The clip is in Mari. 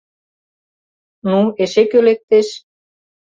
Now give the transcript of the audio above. — Ну, эше кӧ лектеш?